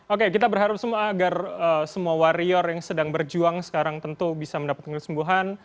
oke kita berharap semua agar semua warrior yang sedang berjuang sekarang tentu bisa mendapatkan kesembuhan